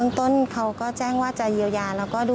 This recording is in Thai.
อีกคนตอนเค้าแจ้งว่าจะเยียวยา